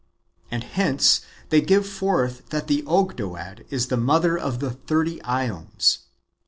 And hence they give forth that the Ogdoad is the mother of the thirty ^ons.